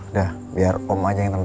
udah biar om aja yang tangan ya